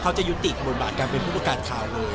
เขาจะอยู่ติดบทณการเป็นผู้ประกาศข่าวนั้น